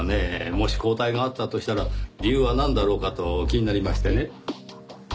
もし交代があったとしたら理由はなんだろうかと気になりましてね。